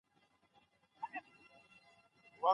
هغه په انټرنېټ کي د کمپيوټر پوهنې درسونه ګوري.